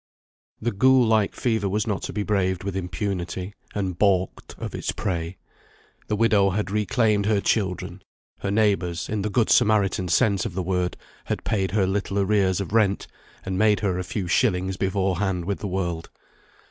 The ghoul like fever was not to be braved with impunity, and baulked of its prey. The widow had reclaimed her children; her neighbours, in the good Samaritan sense of the word, had paid her little arrears of rent, and made her a few shillings beforehand with the world.